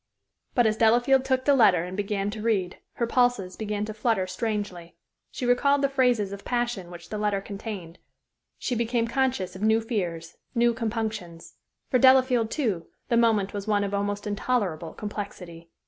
But as Delafield took the letter and began to read, her pulses began to flutter strangely. She recalled the phrases of passion which the letter contained. She became conscious of new fears, new compunctions. For Delafield, too, the moment was one of almost intolerable complexity.